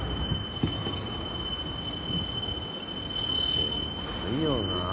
すごいよなあ